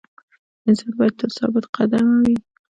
انسان باید تل ثابت قدمه وي.